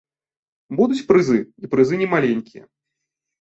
Будуць прызы, і прызы немаленькія.